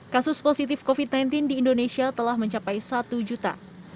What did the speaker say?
kasus positif covid sembilan belas di indonesia telah mencapai satu juta